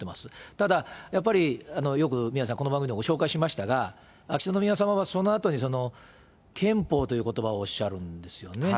ただ、やっぱりよく宮根さん、この番組でも紹介しましたが、秋篠宮さまはそのあとに憲法ということばをおっしゃるんですよね。